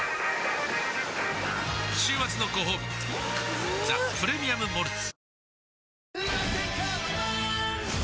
週末のごほうび「ザ・プレミアム・モルツ」